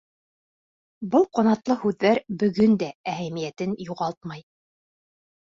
Был ҡанатлы һүҙҙәр бөгөн дә әһәмиәтен юғалтмай.